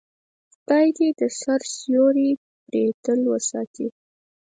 خدای دې د سر سیوری پرې تل وساتي.